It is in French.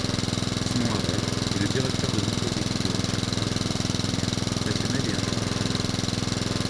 Simon Harel est le directeur de nombreuses équipes de recherche interdisciplinaires, nationales et internationales.